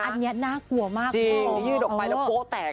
อันนี้น่ากลัวมาก่ะ